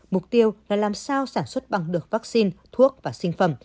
mục tiêu là làm sao sản xuất bằng được vaccine thuốc và sinh phẩm